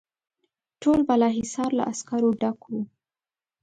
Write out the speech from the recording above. ټول بالاحصار له عسکرو ډک وو.